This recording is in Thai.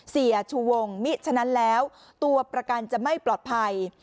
ชูวงมิฉะนั้นแล้วตัวประกันจะไม่ปลอดภัย